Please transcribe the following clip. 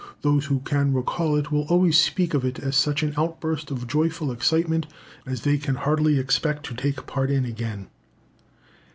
Those who can recall it will always speak of it as such an outburst of joyful excitement as they can hardly expect to take part in again.